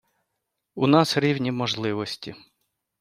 У нас рівні можливості.